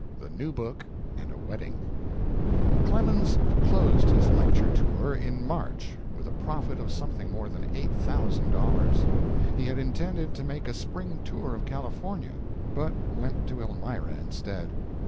THE NEW BOOK AND A WEDDING Clemens closed his lecture tour in March with a profit of something more than eight thousand dollars. He had intended to make a spring tour of California, but went to Elmira instead.